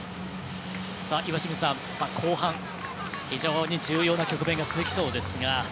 岩清水さん、後半非常に重要な局面が続きそうですが。